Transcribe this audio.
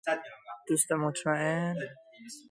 دوست مطمئن